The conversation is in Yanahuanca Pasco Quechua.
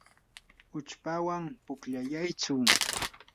uchpawan pukllayaytsu.